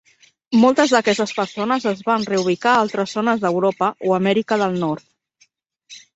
Moltes d'aquestes persones es van reubicar a altres zones d'Europa o Amèrica del Nord.